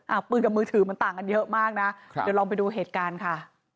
ปืนกับมือถือมันต่างกันเยอะมากนะครับเดี๋ยวลองไปดูเหตุการณ์ค่ะ